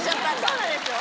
そうなんですよ。